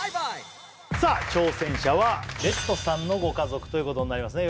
さあ挑戦者はレッドさんのご家族ということになりますね